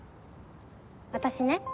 私ね